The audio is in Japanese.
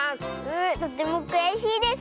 とてもくやしいです。